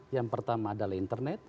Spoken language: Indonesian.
yang pertama adalah internet